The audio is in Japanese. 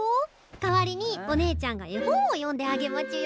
代わりにお姉ちゃんが絵本を読んであげまちゅよ。